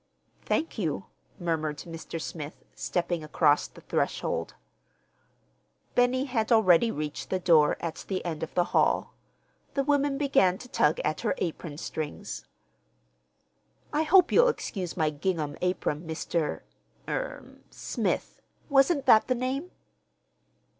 "Thank you," murmured Mr. Smith, stepping across the threshold. Benny had already reached the door at the end of the hall. The woman began to tug at her apron strings. "I hope you'll excuse my gingham apron, Mr.—er—Smith. Wasn't that the name?"